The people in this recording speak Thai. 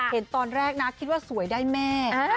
เห็นตอนแรกนะคิดว่าสวยได้แม่